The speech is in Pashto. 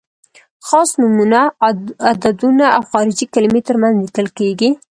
خاص نومونه، عددونه او خارجي کلمې تر منځ لیکل کیږي.